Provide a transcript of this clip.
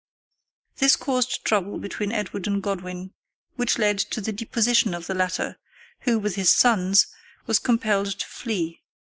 This caused trouble between Edward and Godwin, which led to the deposition of the latter, who, with his sons, was compelled to flee.